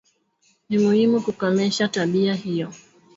Ni muhimu kukomesha tabia hiyo